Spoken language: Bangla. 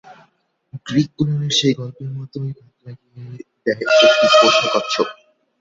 গ্রিক পুরানের সেই গল্পের মতোই তাক লাগিয়ে দেয় একটি পোষা কচ্ছপ।